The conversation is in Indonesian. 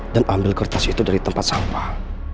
dan ambil kertas itu dari tempat sampah